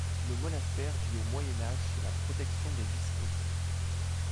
Le monastère vit au Moyen Âge sous la protection des Visconti.